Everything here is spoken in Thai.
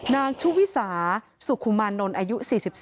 นางชุวิสาสุขุมานนท์อายุ๔๔